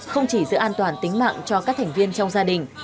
không chỉ giữ an toàn tính mạng cho các thành viên trong gia đình